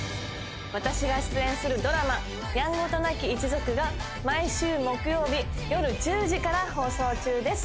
私が出演するドラマ『やんごとなき一族』が毎週木曜日夜１０時から放送中です。